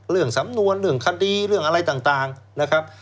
เรื่องสำนวนเรื่องคดีเรื่องอะไรต่างนะครับ